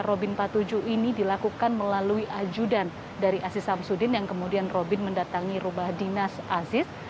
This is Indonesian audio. robin patuju ini dilakukan melalui ajudan dari aziz samsudin yang kemudian robin mendatangi rubah dinas aziz